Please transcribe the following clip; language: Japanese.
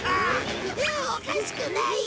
いやおかしくない。